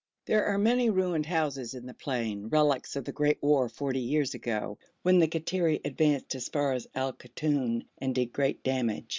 There are many ruined houses in the plain, relics of the great war forty years ago, when the Kattiri advanced as far as Al Koton and did great damage.